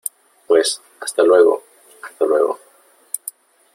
pues hasta luego . hasta luego .